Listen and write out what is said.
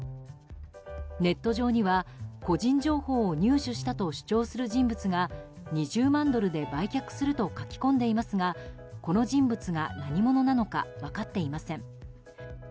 ネット上には、個人情報を入手したと主張する人物が２０万ドルで売却すると書き込んでいますがこの人物が何者なのか分かっていません。